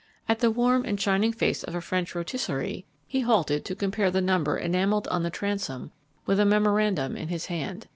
At the warm and shining face of a French rotisserie he halted to compare the number enamelled on the transom with a memorandum in his hand.